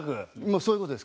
そういう事です。